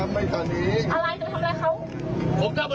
ไม่ใช่มันผู้ควัญ